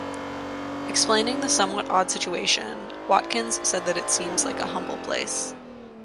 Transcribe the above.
Explaining the somewhat odd situation, Watkins said that it seems like a humble place.